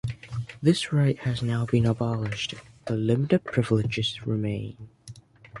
This right has now been abolished, but limited privileges remain.